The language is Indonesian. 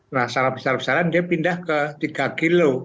nah secara besar besaran dia pindah ke tiga kilo